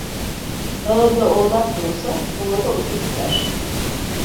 Ağılda oğlak doğsa ovada otu biter.